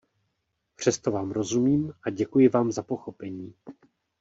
Přesto Vám rozumím a děkuji Vám za pochopení.